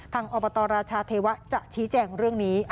อบตราชาเทวะจะชี้แจงเรื่องนี้